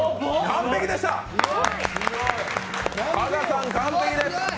完璧です。